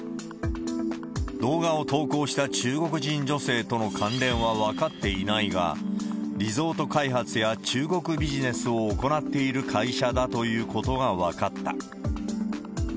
動画を投稿した中国人女性との関連は分かっていないが、リゾート開発や中国ビジネスを行っている会社だということが分かった。